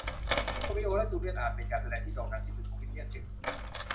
โรมิโอและจูเลียตอาจเป็นการแสดงที่โด่งดังที่สุดของวิลเลียมเชกสเปียร์